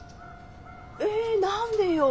え何でよ。